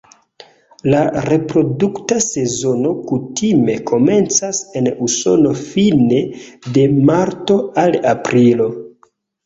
La reprodukta sezono kutime komencas en Usono fine de marto al aprilo.